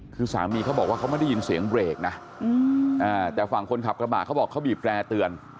คือสามีเขาบอกว่าเขาไม่ได้ยินเสียงเบรกนะแต่ฝั่งคนขับกระบะเขาบอกเขาบีบแร่เตือน